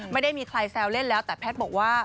ไม่ได้มีใครแซวเล่นแล้วแต่แพทย์บอกว่า